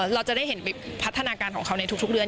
เราจะได้เห็นพัฒนาการของเขาในทุกเดือน